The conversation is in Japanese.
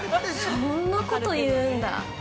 ◆そんなこと言うんだ。